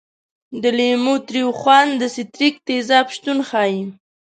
د لیمو تریو خوند د ستریک تیزاب شتون ښيي.